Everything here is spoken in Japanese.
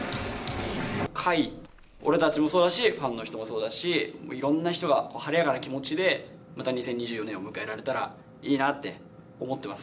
俺たちもそうだし、ファンの人もそうだし、いろんな人が晴れやかな気持ちでまた２０２４年を迎えられたらいいなって思ってます。